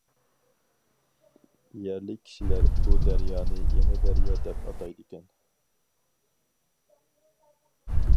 يەرلىك كىشىلەر بۇ دەريانى يېڭى دەريا دەپ ئاتايدىكەن.